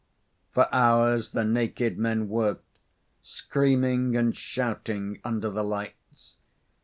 For hours the naked men worked, screaming and shouting under the lights.